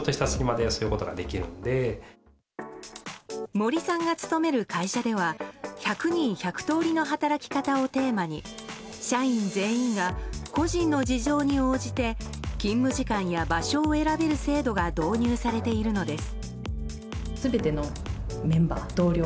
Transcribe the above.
森さんが勤める会社では１００人１００通りの働き方をテーマに社員全員が個人の事情に応じて勤務時間や場所を選べる制度が導入されているのです。